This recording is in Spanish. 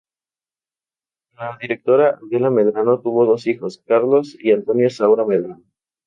Con la directora Adela Medrano tuvo dos hijos, Carlos y Antonio Saura Medrano.